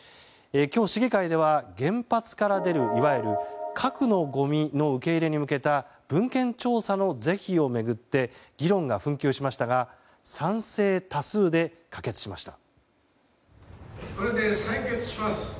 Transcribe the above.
今日、市議会では原発から出るいわゆる核のごみの受け入れに向けた文献調査の是非を巡って議論が紛糾しましたが賛成多数で可決しました。